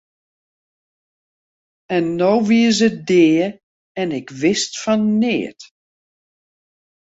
En no wie se dea en ik wist fan neat!